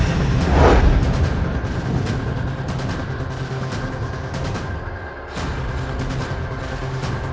jangan lakukanlah apa yang terjadi